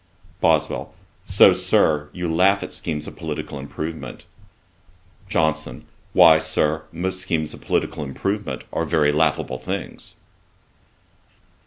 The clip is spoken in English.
BOSWELL. 'So, Sir, you laugh at schemes of political improvement.' JOHNSON. 'Why, Sir, most schemes of political improvement are very laughable things.'